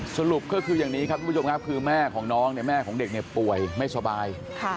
สรุปก็คืออย่างนี้ครับทุกผู้ชมครับคือแม่ของน้องเนี่ยแม่ของเด็กเนี่ยป่วยไม่สบาย